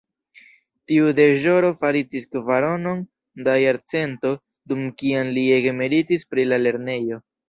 Tiu deĵoro faritis kvaronon da jarcento, dum kiam li ege meritis pri la lernejo.